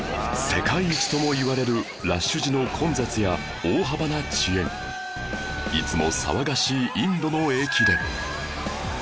世界一ともいわれるラッシュ時の混雑や大幅な遅延いつも騒がしいインドの駅で